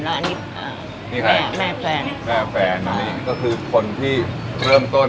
แล้วอันนี้อ่าแม่แฟนแม่แฟนนี่ก็คือคนที่เริ่มต้น